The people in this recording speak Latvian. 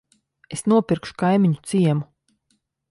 Es nopirkšu kaimiņu ciemu.